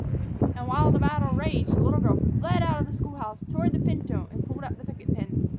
And, while the battle raged, the little girl fled out of the school house toward the pinto and pulled up the picket pin.